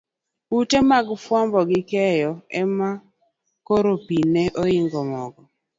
Ute mag fuambo gi keyo ema koro pi ne ohinge mogo.